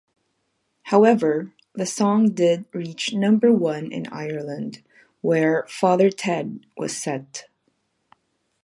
However the song did reach number one in Ireland where "Father Ted" was set.